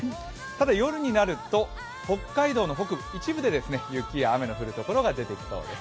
ただ夜になると、北海道の北部、一部で雪や雨の降る所が出てきそうです。